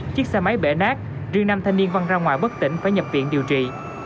chiếc xe máy bể nát riêng năm thanh niên văng ra ngoài bất tỉnh phải nhập viện điều trị